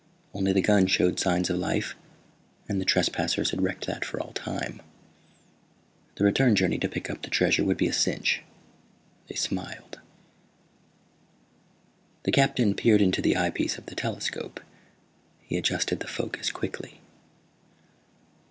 Only the gun showed signs of life ... and the trespassers had wrecked that for all time. The return journey to pick up the treasure would be a cinch ... they smiled._ The Captain peered into the eyepiece of the telescope. He adjusted the focus quickly.